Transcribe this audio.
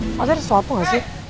maksudnya ada sesuatu gak sih